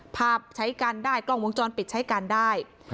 ภาพใช้กันได้กล้องวงจรปิดใช้กันได้